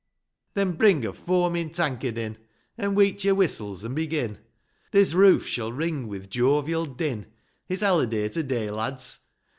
Then bring a foamin' tankard in, An' weet yo'r whistles an' begin ; This roof shall ring with jovial din, — It's haliday to day, lads